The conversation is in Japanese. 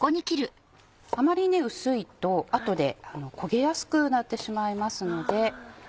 あまり薄いと後で焦げやすくなってしまいますので。